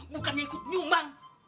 bukan ikut nyumbang